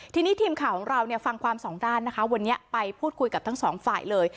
ทีนี้ทีมข่าวของเราฟังความสองด้านนะคะวันนี้ไปพูดคุยกับทั้งสองฝ่ายเลย